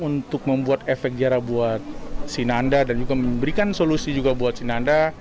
untuk membuat efek jerah buat sinanda dan juga memberikan solusi juga buat sinanda